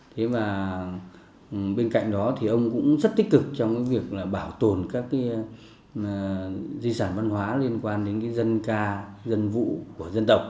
thế và bên cạnh đó thì ông cũng rất tích cực trong cái việc là bảo tồn các cái di sản văn hóa liên quan đến cái dân ca dân vụ của dân tộc